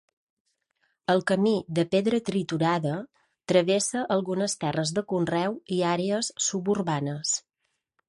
El camí de pedra triturada travessa algunes terres de conreu i àrees suburbanes.